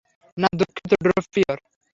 না, দুঃখিত ড্রপিয়র।